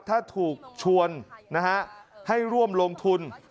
ถ้าถูกชวนให้ร่วมลงทุน